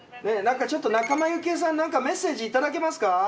ねぇなんかちょっと仲間由紀恵さんなんかメッセージいただけますか？